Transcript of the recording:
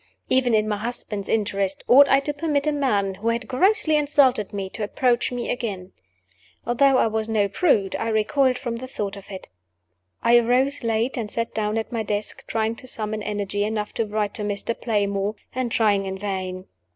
Even in my husband's interests, ought I to permit a man who had grossly insulted me to approach me again? Although I was no prude, I recoiled from the thought of it. I arose late, and sat down at my desk, trying to summon energy enough to write to Mr. Playmore and trying in vain.